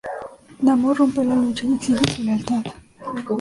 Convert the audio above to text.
Namor rompe la lucha y exige su lealtad.